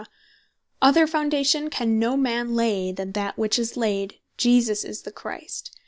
"Other Foundation can no man lay, than that which is laid, Jesus is the Christ.